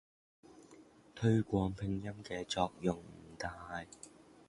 推廣拼音嘅作用唔大